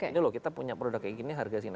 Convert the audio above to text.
ini loh kita punya produk kayak gini harga sini